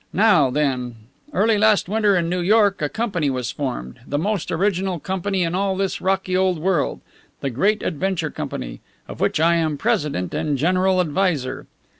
Now, then, early last winter in New York a company was formed, the most original company in all this rocky old world the Great Adventure Company, of which I am president and general adviser.